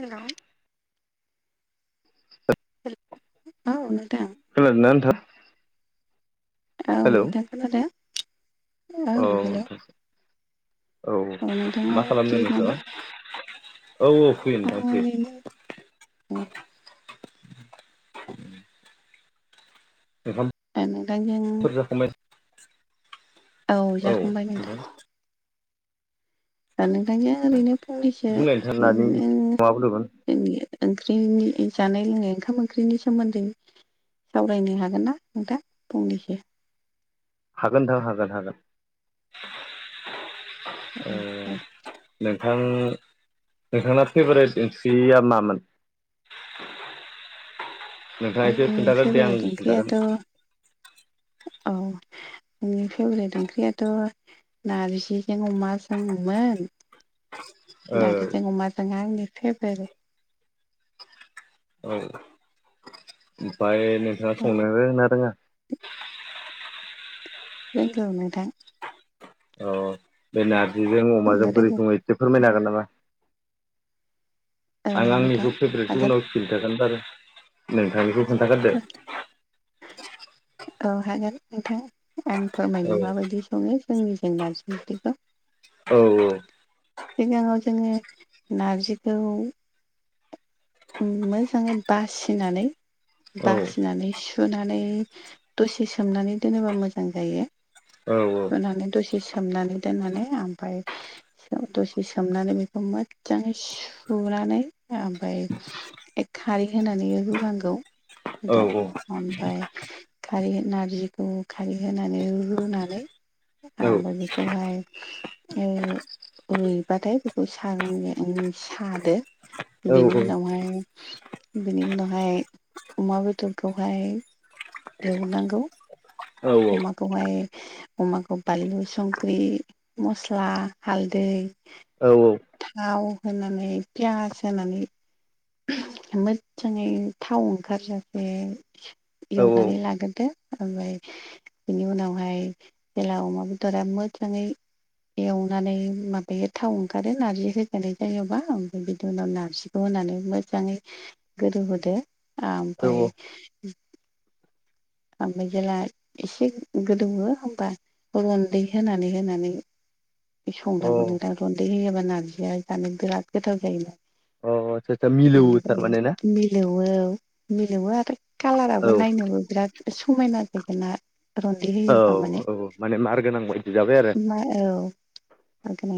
Hello औ नोंथां। खोनादोंना नोंथां औ नोंथां खोनादों। औ अ हेलौ नोंथां औ औ। नोंथाङा मा फ्रि खालामदों नामा? नोंथाङा? औ औ फ्रि नोंथां फ्रि। ओरैनो औ। [inaudible] [unintelligible] नोंथांजों जाखांबाय औ जाखांबाय नोंथां दा नोंथांजों ओरैनो दबरसे बुंलाय नोंथां नानि [unintelligible] माबाफोरमोन जोंनि ओंख्रिनि जानाय लोंनाय ओंखाम ओंख्रिनि सोमोन्दै सावरायनो हागोन ना नोंथां फंनैसो हागोन नोंथां हागोन हागोन नोंथां नोंथांना फेभारेट ओंख्रिया मामोन [inaudible] नोंथाङा एसे आंनि खोन्थागोन दे आं फेभारेट खोन्थागोन ओंख्रियाथ' औ आंनि फेभरेट ओंख्रियाथ' नारजिजों अमा सोंमोन ओ नारजिजों अमाजोंहाय आंनि फेभरेट। औ ओमफफ्राय नोंथाङा संनो होनना रोङा रोंगौ नोंथां अ बे नारजिजों अमाजों संनो बोरै रोङो सोङो एसे फोरमायनो हागोन नामा औ आं नोंथां आंनिखौ फेभरेटसो हागोन उनाव खिन्थागोन बारु नोंथांनिखौ खोन्थाग्रोदो औ हागोन नोंथां आं औ फोरमायनो माबायदि सङो जोंनि जेंना जेंथिखौ औ औ सिगाङाव जोङो नारजिखौ मोजाङै बासिनानै औ औ बासिनानै सु सुनानै दसे सोमनानै दोनोबा मोजां जायो औ औ सुनानै दसे सोमनानै दोननानै ओमफफ्राय दसे सोमनानै बेखौ मोजाङै सुनानै ओमफ्राय खारै होनानै रुनांगौ दा ओमफ्राय खारै नारजिखौ खारै होनानै रुनानै आब बेथ'हाय ओ रुइ-रुइबाथाय बेखौ सागं सादो बेनि उनाव बिनि उनावहाय अमा बेदरखौहाय देवनांगौ अमा खौहाय अमाखौ बानलु संख्रि मस्ला हालदै औ औ थाव होनानै पियास होनानै मोजाङै थाव ओंखारजासे एवनानै लाग्रोदो ओमफ्राय बिनि उनावहाय जेला अमा बेदरा मोजाङै एवनानै माबायो थाव ओंखारो नार्जि होजानाय जायोबा ओमफ्राय बिनि उनाव नारजिखौ होनानै मोजाङै गोदौहोदो औ ओमफाय ओमफ्राय जेला एसे गोदौवो होमबा रनदै होनानै होनानै संनांगौ औ नोंथां रन्दै होयोबा नारजिया जानो बिराद गोथाव जायोमोन। औ निफ्राय मिलौवो मिलौवो आरो औ कालाराबो नायनोबो बिराद समायना जोगोनार रनदि होयोबा माने औ माने मार गोनां बायदि जाबाय आरो म औ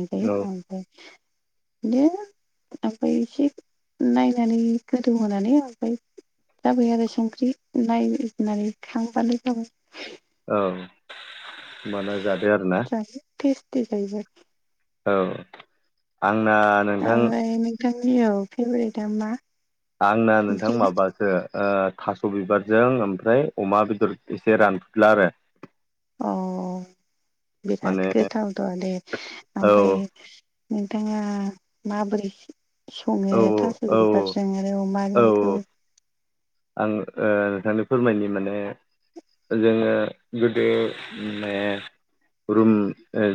औ [unintelligible] नायनानै गोदौ होनानै ओमफ्राय जाबाय आरो संख्रि नायनानै खांबानो जाबाय औ माना जादो आरो ना [unintelligible] टेस टेस जाहैबाय औ आंना नोंथां ओमफ्राय नोंथांनि औ फेभरेटआ मा आंना नोंथां ओंख्रिया माबा सो ओ थास' बिबारजों ओमफ्राय अमा बेदर एसे रानफुला आरो। अह माने बिराद गोथावथ दे औ ओमफ्राय नोंथाङा माबोरै औ सङो थास' औ बिसं बिसं आरो अमाजोंखौ आं ओ नोंथांनो फोरमायनि माने जोङो गोदो माने रुम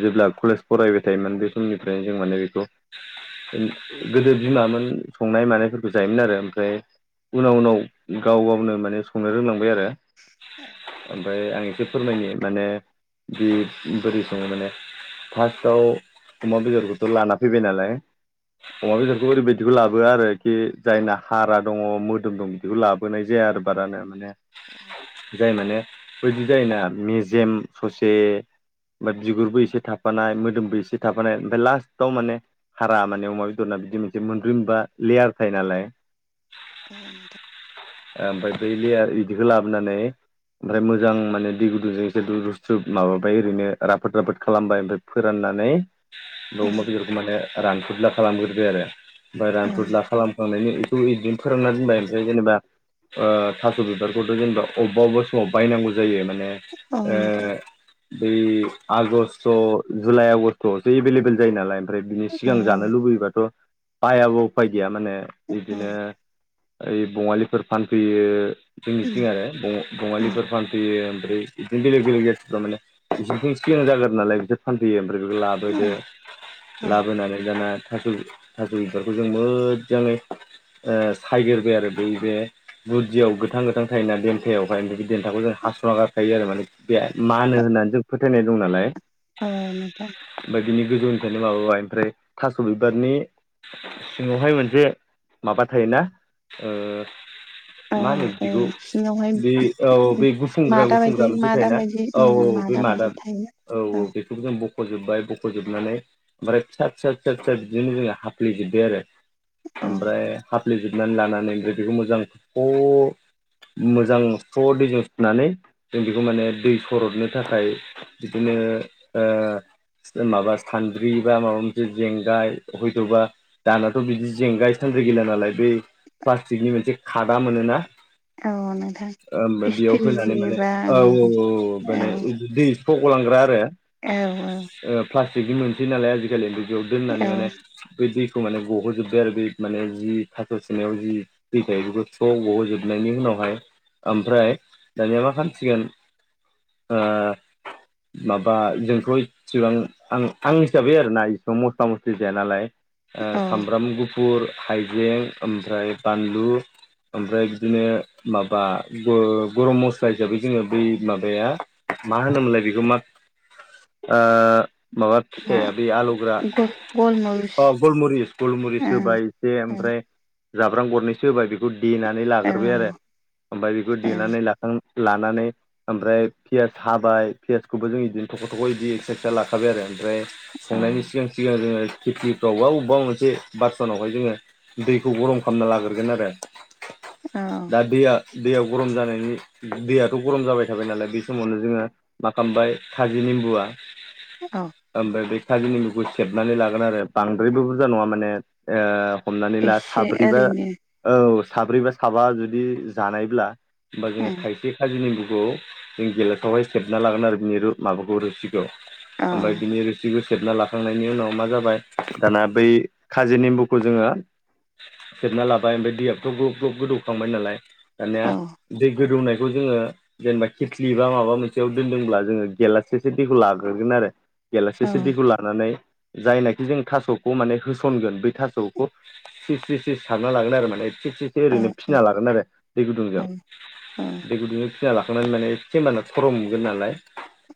जेब्ला कलेज फरायबाय थायोमोन बे समनिफ्राय जों माने बेखौ गोदो बिमामोन संनाय मानायफोरखौ जायोमोन आरो ओमफ्राय उनाव उनाव गाव गावनो माने संनो रोंलांबाय आरो। [unintelligible] ओमफ्राय आं एसे फोरमायनो माने बि बोरै सङो माने। फार्स्टआव अमा बेदरखौथ' लाना फैबाय नालाय। अमा बेदरखौ ओरैबायदिखौ लाबोआ आरोखि जायना हारा दङ मोदोम दं। बेखौ लाबोनाय जाया आरो बारानो माने जाय माने बैदि जायोना मेजेम ससे ओमफ्राय बिगुरबो एसे थाफानाय मोदोमबो एसे थाफानाय ओमफ्राय लास्टाव माने हारा माने अमा बेदरना बिदि मोनसे मोनब्रै मोनबा लेयार थायो नालाय। औ नोंथां ओ ओमफ्राय बै लियार बिदिखौ लाबोनानै ओमफ्राय मोजां माने दै गुदुंजों एसे दै लुस्रोबाय माबाबाय ओरैनो राफोद राफोद खालामबाय ओमफ्राय फोराननानै ओमफ्राय औ अमा बेदरखौ माने रानफुदला खालामग्रोबाय आरो ओमफ्राय रानफुदला खालाम खांनायनि बेखौ बिदिनो फोरानना दोनबाय ओमफ्राय जेनेबा ओ थास' बिबारखौथ' जेनेबा अबेबा अबेबा समाव बायनांगौ जायो माने औ ओ नोंथां बै आगष्ट जुलाइ आगष्टआवसो एभेलेबल जायो नालाय। ओमफ्राय बिनि औ सिगां औ जानो लुबैयोबाथ' बायाबा उफाय गैया माने औ बिदिनो ओइ बङालिफोर फानफैयो उम जोंनिथिं आरो उम बङालिफोर फान फैयो ओमफ्राय बिदिनो बेलेक बेलेक जाथिफोरा माने बिसोरजों एसे सिना जाना नालाय बिसोरो फानफैयो आरो आमफ्राय बेखौ लाब औ लाबोदो औ लाबोनानै दाना थास' थास'बिबारखौ जों मोजाङै ओ सायग्रोबाय आरो बै बे गुदियाव गोथां गोथां थायोना देन्थायावहाय देन्थाखौ जों हास'ना गारखायो आरो माने। बिराद मानो होननानै जों फोथायनाय दं नालाय। औ नोंथां। ओमफ्राय बिनि गोजौनिफ्रायनो माबाबाय ओमफ्राय थास' बिबारनि सिङावहाय मोनसे माबा थायोना ओ औ मा होनो औ बिदिखौ? सिङावहाय बे औ बे मादा बायदि गुफुंग्रा-गुफुंग्रा मोनसे मादा थायोना। बायदि ओ औ-औ बे मादा बायदि थायो औ औ-औ बेखौ जों बख'जोबबाय बख'जोबनानै ओमफ्राय फिसा फिसा फिसा बिदिनो जोङो हाफ्लेेजोबबाय आरो। औ ओमफ्राय हाफ्लेेजोबनानै लानानै ओमफ्राय बेखौ मोजां थख' मोजां स्र दैजों सुनानै जों बेखौ माने दै सरदनो थाखाय बिदिनो ओ माबा सान्द्रि बा माबा मोनसे जेंगाय हयथ'बा दानाथ' बिदि जेंगाय सान्द्रि गैला नालाय बै प्लास्टिकनि मोनसे खादा मोनोना। औ नोंथां ओमफाय बेयाव फैनानै स्टिलनि माने बा औ औ माने दि खौ गलांग्रा आरो। औ औ प्लास्टिकनि मोनसै नालाय आजिखालि बिदियाव औ दोननानै माने बै दैखौ माने गहो'जोबबाय आरो बे माने जि थास' सुनायाव जि दै बेखौ स्र' गहोजोबनायनि उनावहाय ओमफ्राय दानिया मा खालामसिगोन ओ माबा जोंथ इसिबां आं-आं हिसाबै आरोना इसेबां मस्ला मस्लि जाया नालाय। ओ औ सामब्राम गुफुर, हाइजें ओमफ्राय बानलु ओमफ्राय बिदिनो माबा ग गरम मस्ला हिसाबै जोंङो बै माबाया मा होनोमोनलाय बेखौ मा? ओ माबा ना फिथायाया बै आलौग्रा गल गलमरिस अ गलमुरिस गलमुरिस ओं होबा इसे औ ओमफ्राय जाब्रां गरनैसो होबाय बेखौ देनानै औ लाग्रोबबाय आरो ओमफ्राय बेखौ देनानै ला लानानै ओमफ्राय पियास हाबाय पियसखौबो जों बिदिनो थख' थख' बिदि एक्स्रा एक्स्रा लाखाबाय आरो ओमफ्राय संनायनि ओं सिगां सिगां जोंङो खेथिफ्राव बा अबेबा मोनसे बासनावहाय जोंङो दैखौ गरम खालामना लाग्रगोन आरो। अ दा दैया दैया गरम जानायनि दैयाथ' गरम जाबाय थाबाय नालाय बे समावनो जोंङो मा खालामबाय खाजि नेमबुआ औ ओमफ्राय बे खाजिनिममुखौ सेबनानै लागोन आरो बांद्रायबो बुरजा नंङा माने। ओ हमनानै ला एसे साब्रैबा ओरैनो औ साब्रैबा साबा जुदि जानायब्ला होनबा जोंङो थाइसे खाजि नेम्बुखौ जों गेलासावहाय सेबना लागोन आरो बिनिु माबाखौ रोसिखौ। ओमफ्राय ओं बिनि ओ बिदैखौ सेबना लाखांनायनि उनाव मा जाबाय दाना बै खाजि नेम्बुखौ जोंङो सेबना लाबाय ओमफ्राय दैयाथ' ग्रोब ग्रोब गोदौखांबाय नालाय औ दानिया दै गोदौनायखौ जोंङो जेनेबा खिथलि बा माबा मोनसेयाव दोनदोंब्ला जोंङो गेलाससेसो दैखौ लाग्रोगोन आरो। गेलासि औ से दैखौ लानानै जायनाखि जों थास'खौ माने होसनगोन बै थास'खौ स्रि स्रि सारना लागोन आरो माने खेबसेसो औ ओरैनो फिसिना लागोन आरो दै औ गुदुंजों। औ दै गुदुं फिना लाखांनानै माने सेेमबाना थरमगोन नालाय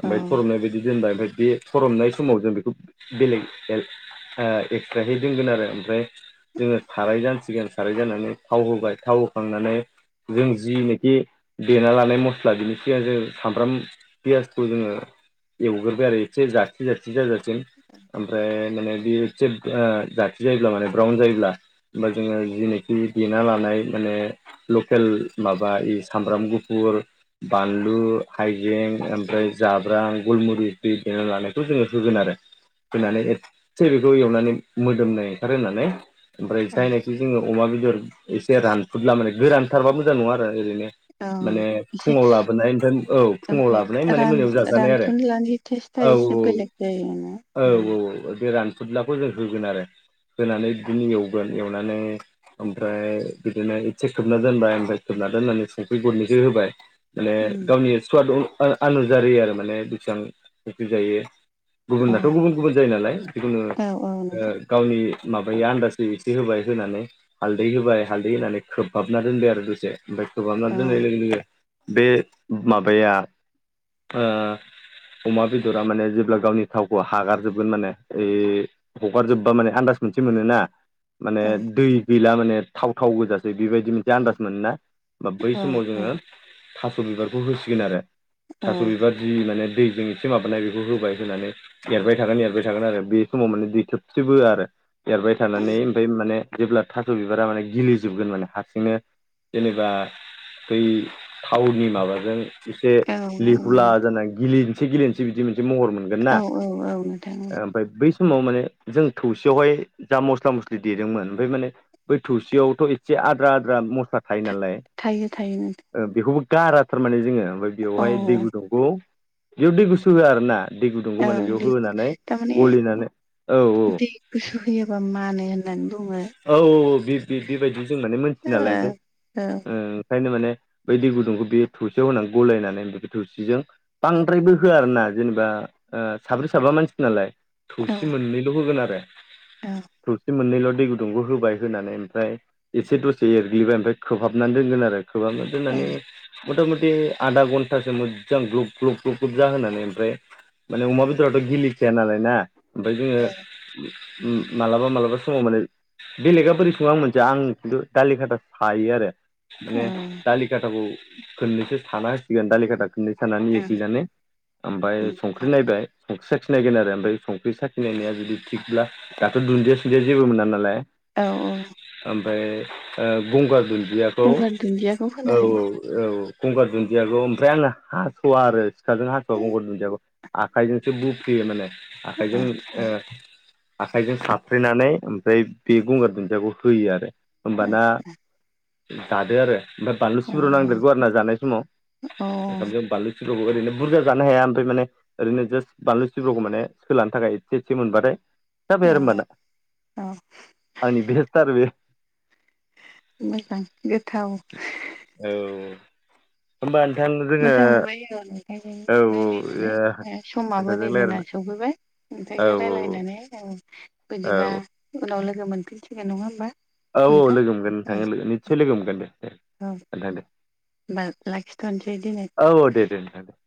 ओमफ्राय थरमनाय बायदि दोनबाय ओमफ्राय बे थरमनाय समाव जों बेखौ बेलेग ए‌ ओ एक्स्राहै दोनगोन आरो ओमफ्राय जोंङो साराय जानसिगोन साराय जानानै थाव होबाय थाव होखांनानै जों जिनिखि देना लानाय मस्ला बिनि सिगां जों सामब्राम पियासखौ जोंङो एवग्रोबाय आरो एसे जाथि जाथि जाजासिम ओम फ्राय माने बेयो जेब एसे जाथि जायोब्ला माने ब्राउन जायोब्ला होमबा जोंङो जिनेखि देना लानाय माने लकेल माबा ए सामब्राम गुफुर बानलु हाइजें ओमफ्राय जाब्रां गलमुरिस बिनानै लानायखौ जोंङो होगोन आरो [inaudible] होनानै एसे बेखौ एवनानै मोदोमनाय ओंखार होनानै ओमफ्राय जायनाखि जोंङो अमा बेदर एसे रानफुदला माने गोरानथारबा मोजां नंङा आरो ओरैनो औ माने एसे फुंङाव लाबोनाय फ्राय औ फुङाव ओमफ्राय लाबोनाय माने रान मोनायाव जाजानाय आरो रानफुनलानि टेस्टआ औ एसे औ बेलेग जायो ना औ उम औ औ बे रान फदलाखौ जों होगोन आरो होनानै बिदिनो एवगोन। एवनानै ओमफ्राय बिदिनो एसे खोबना दोनबाय ओमफ्राय खोबना दोननानै संख्रि गरनैसो होबाय। माने उम गावनि सुवाद अनु आनुजारि आरो माने बेसिबां संख्रि जायो। औ गुबुनाथ' गुबुन गुबुन जायो नालाय जिखुनु औ औ ओ नोंथां गावनि माबायो आन्दाजै एसे होबाय होनानै हालदै होबाय, हालदै होनानै खोबहाबना दोनबाय आरो दसे ओमफ्राय खोबहाबना दोननाय औ लोगो लोगो बे माबाया ओ अमा बेदरा माने जेब्ला गावनि थावखौ हागारजोबगोन माने ओ हगारजोबबा माने आन्दास मोनसे मोनोना माने औ दै गैला माने थाव थाव गोजासै बेबायदि मोनसे आन्दाज मोनोना बा बै औ समाव औ जोंङो थास' बिबारखौ होसिगोन आरो थास' औ बिबार जि माने दैजों एसे माबानाय बेखौ होबाय होनानै एरबाय थागोन एरबाय थागोन आरो बे समाव माने दै थोबसेबो होआ आरो एरबाय थानानै ओमफ्राय माने जेब्ला थास' बिबारा माने गिलिजोबगोन माने हारसिंनो जेनेबा दै थावनि माबाजों एसे औ लेहुला जाना गिलिनसि गिलिनसि बिदि मोनसे महर मोनो गोनना औ औ औ नोंथां औ ओमफ्राय बै बे समाव माने जों थौसियावहाय जा मस्ला मस्लि देदोंमोन ओमफ्राय माने बै थौसियावथ' एसे आद्रा आद्रा मस्ला थायो नालाय थायो थायो नोंथां बेखौबो गारा थारमाने जोङो ओमफ्राय औ बेवहाय दै गुदुंखौ बेयाव दै गुसु होआ आरो ना दै गुदुंखौ औ माने बेयाव दै होनानै थारमाने गलिनानै औ औ दै गुसु होयोबा मानो होननानै बुङो। औ औ औ बे बेबायदि जों माने मोनथियो नालाय ओमफ्राय औ ओंखायनो माने बै दै गुदुंखौ बेयो थौसियाव होनानै गलायनानै बेखौ थौसिजों बांद्रायबो होआ आरो ना जेनेबा ओ साब्रै साबा मानसि नालाय थौसि मोननैल' होगोन आरो औ थौसि मोननैल' दै गुदुंखौ होबाय होनानै ओमफ्राय एसे दसे एरग्लिबाय ओमफ्राय खोबहाबनानै दोनगोन आरो खोबहाब औ दोननानै मथा मथि आधा घन्टासो मोजां ग्ल ग्ल ग्ल ग्लुब जाहोनानै ओमफ्राय माने अमा बेदरावथ' गिलिखाया नालाय ना ओमफाय जोङो मालाबा मालाबा समाव माने बेलेगा बोरै सङो आं मोनथिया आं खिन्थु दालि खाथा सायो आरो माने दालि खाथाखौ खोननैसो साना होसिगोन दालि खाथा खुनै सानानै औ एग्लिनानै ओमफ्राय संख्रि नायबाय संख्रि साखिनायगोन आरो ओमफ्राय बे साखिनायनाया जुदि थिगब्ला दाथ' दुन्दिया सुदिया जेबो मोना नालाय औ औ ओमफ्राय ओ गंगार दुन्दियाखौ गंगार दुन्दियाखौ होनो औ हायो औ औ गंगार दुन्दियाखौ ओमफ्राय आङो हास'वा आरो सिखाजों हास'वा गंगार दुन्दियाखौ आखाइजोंसो बुफुयो माने आखाइजों आदसा ओ आखाइजों साफ्रेनानै ओमफ्राय बे गंगार दुन्दियाखौ होयो आरो होमबाना आदसा जादो आरो ओमफ्राय बानलु अ सिब्र' नांदेरगौ आरो ना जानाय औ समाव ओंखामजों बानलु ओरैनो बुरजा जानो हाया ओमफ्राय माने ओरैनो जास बानलु सिब्रखौ माने सोलानो थाखाय एसे एसे मोनबाथाय जाबाय आरो होमबाना। अ' आंनि बेेस आरो बे मोजां गोथाव औ होमबा नोंथां जोङो मोजां मोनबाय आरो नोंथांजों औ औ रायलायनानै ओ समाबो नोंथांजों नै जोंना रायलायना सफैबाय। औ नोंथांजों रायज्लायनानै औ बिदिबा औ उनाव लोगो मोनफिनसिगोन नंङा होमबा औ औ नोंथां लोगो मोनगोन नोंथां लोगो निस्सय लोगो मोनगोन दे दे उम नोंथां दे होमबा लाखिथ'नोसै दिनै औ दे दे नोंथां दे।